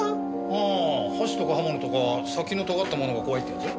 ああ箸とか刃物とか先のとがったものが怖いってやつ？